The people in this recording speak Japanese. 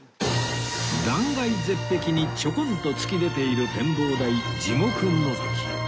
断崖絶壁にちょこんと突き出ている展望台地獄のぞき